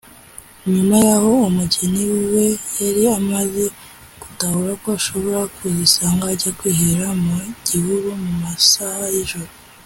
nyuma yaho umugeni we yari amaze gutahura ko ashobora kuzisanga ajya kwiherera mu gihuru mu masaha y’ijoro